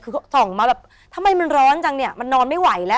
คือส่องมาแบบทำไมมันร้อนจังเนี่ยมันนอนไม่ไหวแล้ว